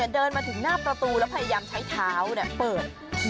แล้วประตูก็เปิด